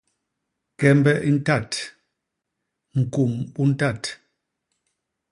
Kembe i ntat, ñkum u ntat.